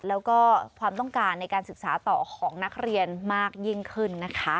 แล้วก็ความต้องการในการศึกษาต่อของนักเรียนมากยิ่งขึ้นนะคะ